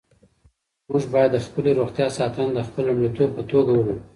موږ باید د خپلې روغتیا ساتنه د خپل لومړیتوب په توګه ومنو.